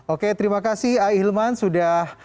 oke terima kasih hilman sudah